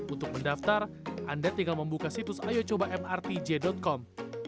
untuk mendaftar anda tinggal membuka situs ayocobamrtj com